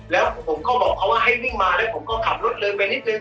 แล้วผมก็บอกเขาว่าให้วิ่งมาแล้วผมก็ขับรถเดินไปนิดนึง